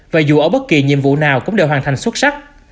và dù ở bất kỳ nhiệm vụ nào cũng đều hoàn thành xuất sắc